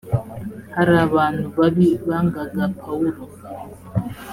hari abantu babi bangaga pawulo